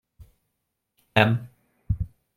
Nem.